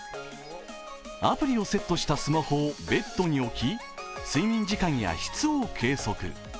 アプリをセットしたスマホをベッドに置き、睡眠時間や質を計測。